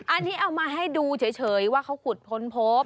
อันนี้เอามาให้ดูเฉยว่าเขาขุดค้นพบ